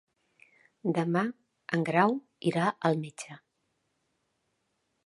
Demà en Grau irà al metge.